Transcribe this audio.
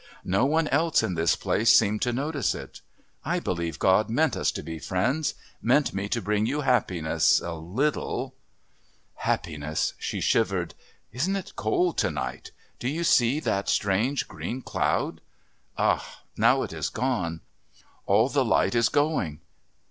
No one else in this place seemed to notice it. I believe God meant us to be friends, meant me to bring you happiness a little...." "Happiness?" she shivered. "Isn't it cold to night? Do you see that strange green cloud? Ah, now it is gone. All the light is going....